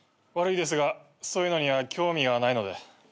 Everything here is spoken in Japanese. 悪いですがそういうのには興味はないので。